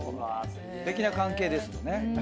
すてきな関係ですよね。